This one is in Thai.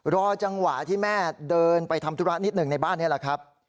รอจังหวะที่แม่เดินไปทำธุระนิดหนึ่งในบ้านนี้แหละครับ